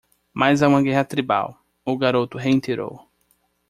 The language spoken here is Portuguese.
"Mas há uma guerra tribal?" o garoto reiterou.